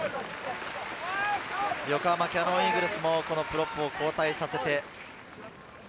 横浜キヤノンイーグルスもプロップを交代させます。